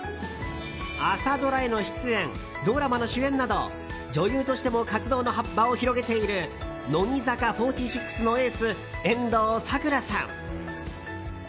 朝ドラへの出演ドラマの主演など女優としても活動の場を広げている乃木坂４６のエース遠藤さくらさん。